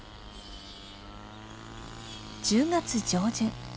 １０月上旬。